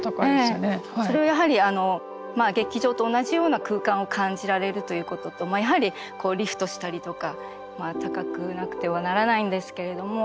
それはやはり劇場と同じような空間を感じられるということとやはりリフトしたりとか高くなくてはならないんですけれども。